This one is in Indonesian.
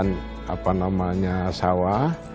dan apa namanya sawah